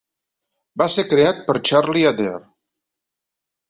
Va ser creat per Charlie Adair.